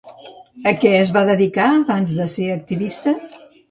A què es va dedicar abans de ser activista?